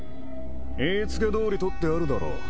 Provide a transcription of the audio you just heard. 言い付けどおりとってあるだろ。